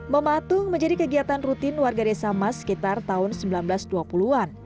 mematung menjadi kegiatan rutin warga desa mas sekitar tahun seribu sembilan ratus dua puluh an